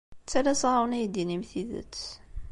Ttalaseɣ-awen ad iyi-d-tinim tidet.